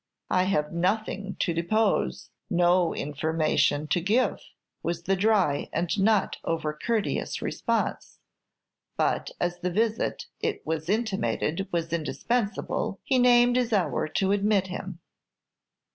"I have nothing to depose, no information to give," was the dry and not over courteous response; but as the visit, it was intimated, was indispensable, he named his hour to admit him.